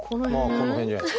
この辺じゃないですか？